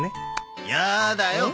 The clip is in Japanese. やーだよ。